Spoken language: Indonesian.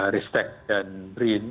ristek dan brin